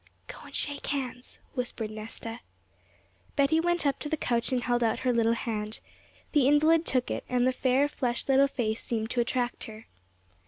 'Go and shake hands,' whispered Nesta. Betty went up to the couch and held out her little hand. The invalid took it, and the fair, flushed little face seemed to attract her.